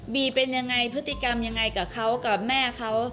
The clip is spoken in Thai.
เป็นยังไงพฤติกรรมยังไงกับเขากับแม่เขา